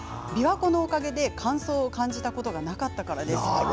琵琶湖のおかげで乾燥を感じたことがなかったからです。